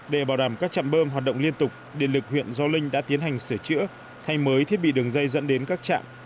để bảo đảm các trạm bơm hoạt động liên tục điện lực huyện gio linh đã tiến hành sửa chữa thay mới thiết bị đường dây dẫn đến các trạm